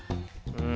うん。